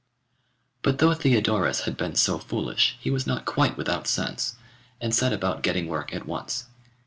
But though Theodorus had been so foolish he was not quite without sense, and set about getting work at once.